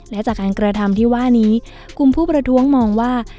และจากการกระทำที่ว่านี้กลุ่มผู้ประท้วงมองว่า